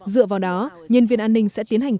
dựa vào đó nhân viên an ninh sẽ tiến hành